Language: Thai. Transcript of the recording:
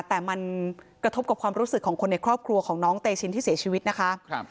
แต่มันกระทบกับความรู้สึกของคนในครอบครัวของน้องเตชินที่เสียชีวิตนะคะ